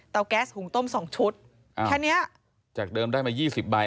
แก๊สหุงต้มสองชุดอ่าแค่เนี้ยจากเดิมได้มายี่สิบใบ